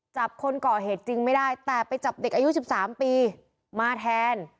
จับคนก่อเหตุจริงไม่ได้แต่ไปจับเด็กอายุ๑๓ปีมาแทน